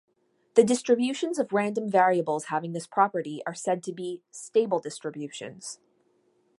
The distributions of random variables having this property are said to be "stable distributions".